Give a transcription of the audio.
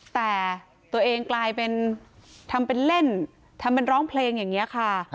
แต่ตัวเองกลายเป็นทำเป็นเล่นทำเป็นร้องเพลงอย่างนี้ค่ะ